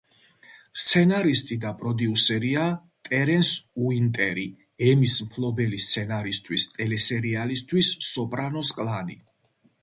სცენარისტი და პროდიუსერია ტერენს უინტერი, „ემის“ მფლობელი სცენარისთვის ტელესერიალისთვის „სოპრანოს კლანი“.